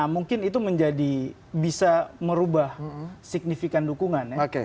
mungkin itu bisa merubah signifikan dukungan